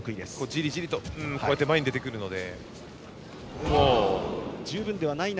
じりじりと前に出てくるので。